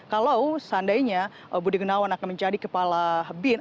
kalau seandainya budi gunawan akan menjadi kepala bin